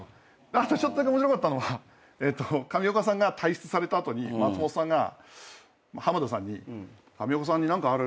あとちょっとだけ面白かったのは上岡さんが退出された後に松本さんが浜田さんに「上岡さんに何かある？」